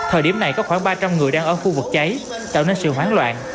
hôm nay có khoảng ba trăm linh người đang ở khu vực cháy tạo nên sự hoán loạn